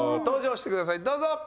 登場してくださいどうぞ！